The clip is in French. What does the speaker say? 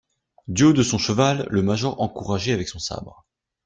Du haut de son cheval, le major encourageait avec son sabre.